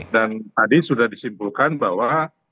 dan tadi sudah disimpulkan bahwa